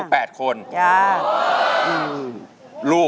พ่อสาว